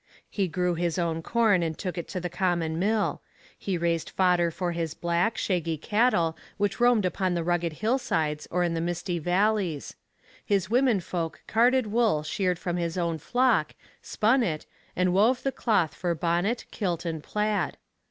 He grew his own corn and took it to the common mill; he raised fodder for his black, shaggy cattle which roamed upon the rugged hillsides or in the misty valleys; his women folk carded wool sheared from his own flock, spun it, and wove the cloth for bonnet, kilt, and plaid.